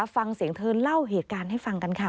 ฟังเสียงเธอเล่าเหตุการณ์ให้ฟังกันค่ะ